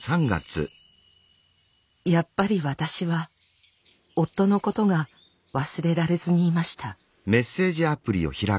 やっぱり私は夫のことが忘れられずにいました。